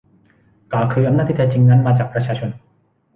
กล่าวคืออำนาจที่แท้จริงนั้นมาจากประชาชน